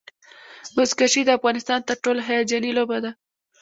بزکشي د افغانستان تر ټولو هیجاني لوبه ده.